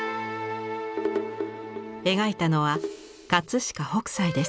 描いたのは飾北斎です。